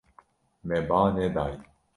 Me ba nedaye.